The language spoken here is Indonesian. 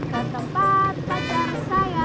ke tempat pacar saya